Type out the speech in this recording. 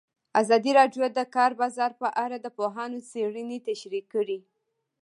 ازادي راډیو د د کار بازار په اړه د پوهانو څېړنې تشریح کړې.